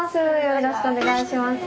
よろしくお願いします。